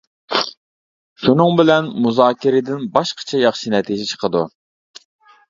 شۇنىڭ بىلەن مۇزاكىرىدىن باشقىچە ياخشى نەتىجە چىقىدۇ.